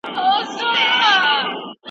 په لاس لیکلنه د ارزښتونو د پیژندلو لاره ده.